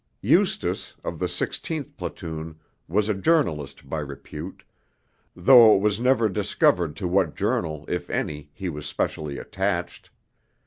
Eustace, of the 16th Platoon, was a journalist by repute, though it was never discovered to what journal, if any, he was specially attached.